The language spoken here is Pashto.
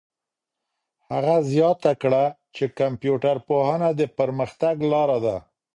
هغه زیاته کړه چي کمپيوټر پوهنه د پرمختګ لاره ده.